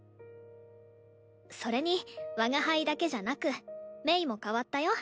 それに我が輩だけじゃなく鳴も変わったよ。